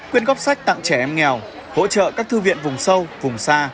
quyên góp sách tặng trẻ em nghèo hỗ trợ các thư viện vùng sâu vùng xa